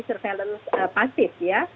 surveillance pasif ya